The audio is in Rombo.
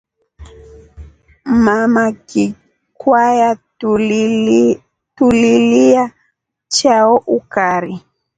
Mama kikwaya tuliliya chao ukari.